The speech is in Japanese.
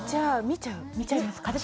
見ちゃいますか？